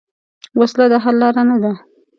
وسله د حل لار نه ده